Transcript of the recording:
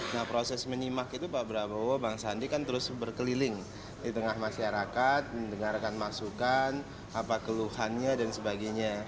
nah proses menyimak itu pak prabowo bang sandi kan terus berkeliling di tengah masyarakat mendengarkan masukan apa keluhannya dan sebagainya